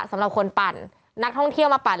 สำหรับคนปั่นนักท่องเที่ยวมาปั่น